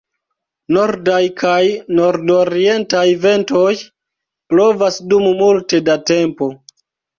Nordaj kaj nordorientaj ventoj blovas dum multe da tempo.